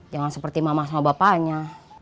jangan seperti mama sama bapaknya